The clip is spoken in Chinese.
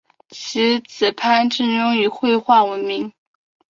其子潘振镛以绘画闻名。